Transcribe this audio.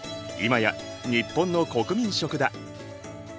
今や日本の国民食だ。